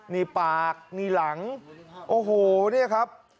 นี่ปากนี่หลังโอ้โหเนี่ยครับ